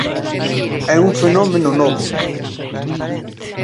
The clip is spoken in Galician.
É un fenómeno novo.